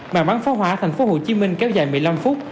màn bắn pháo hoa thành phố hồ chí minh kéo dài một mươi năm phút